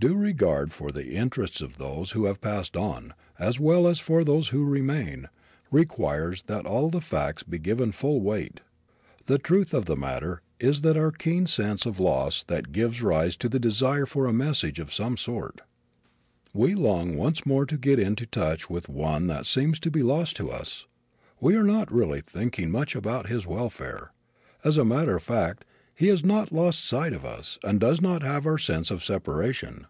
Due regard for the interests of those who have passed on, as well as for those who remain, requires that all the facts be given full weight. The truth of the matter is that it is our keen sense of loss that gives rise to the desire for a message of some sort. We long to once more get into touch with one that seems to be lost to us. We are not really thinking much about his welfare. As a matter of fact he has not lost sight of us and does not have our sense of separation.